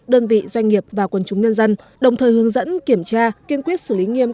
đơn vị doanh nghiệp và quân chúng nhân dân đồng thời hướng dẫn kiểm tra kiên quyết xử lý nghiêm